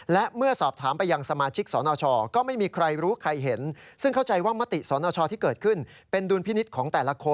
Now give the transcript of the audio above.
และเมื่อสอบถามไปยังสมาชิกสนชก็ไม่มีใครรู้ใครเห็น